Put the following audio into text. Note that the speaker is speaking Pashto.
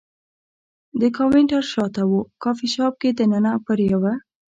د کاونټر شاته و، کافي شاپ کې دننه پر یوه.